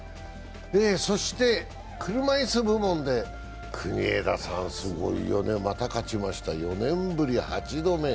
車いす部門で国枝さん、すごいよねまた勝ちました、４年ぶり８度目。